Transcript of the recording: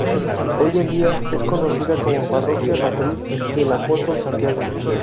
Hoy en día es conocida como Parroquia Matriz del Apóstol Santiago.